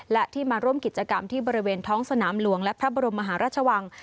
และที่มาร่วมกิจกรรมที่บริเวณท้องสนามหลวงและพระบรมมหาราชวัง